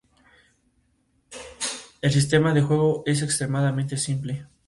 Además de estudiar para su licenciatura, enseñó matemáticas en Düsseldorf.